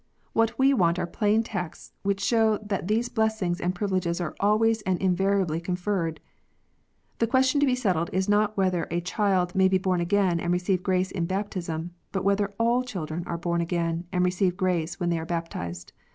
What we want are plain texts which show that these blessings and privileges are always and invariably con ferred. The question to be settled is not whether a child may be born again and receive grace in baptism, but whether all children are bom again, and receive grace when they are baptized.